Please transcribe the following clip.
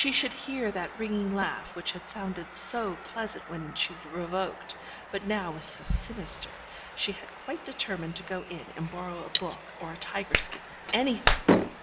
Should she hear that ringing laugh which had sounded so pleasant when she revoked, but now was so sinister, she had quite determined to go in and borrow a book or a tiger skin anything.